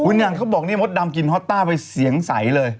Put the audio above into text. คุณดังเขาบอกมดดำกลิ่นฮอตต้าไปเสียงใสเลย